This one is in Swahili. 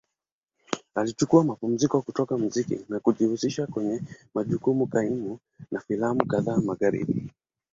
Alichukua mapumziko kutoka muziki na kujihusisha kwenye majukumu kaimu na filamu kadhaa Magharibi.